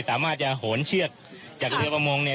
สามารถจะโหนเชือกจากเรือประมงเนี่ย